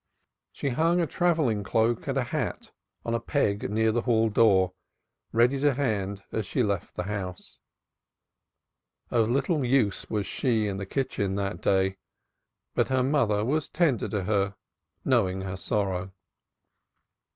She hung a travelling cloak and a hat on a peg near the hall door ready to hand as she left the house. Of little use was she in the kitchen that day, but her mother was tender to her as knowing her sorrow.